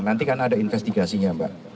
nanti kan ada investigasinya mbak